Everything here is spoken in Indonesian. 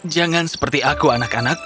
jangan seperti aku anak anak